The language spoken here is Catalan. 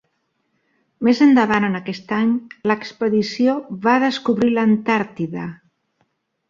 Més endavant en aquest any, l'expedició va descobrir l'Antàrtida.